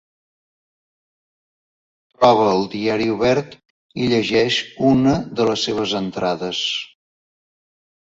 Troba el diari obert i llegeix una de les seves entrades.